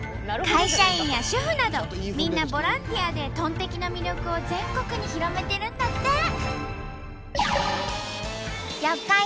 会社員や主婦などみんなボランティアでトンテキの魅力を全国に広めてるんだって！